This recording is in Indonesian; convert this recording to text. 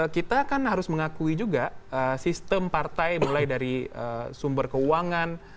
kita kan harus mengakui juga sistem partai mulai dari sumber keuangan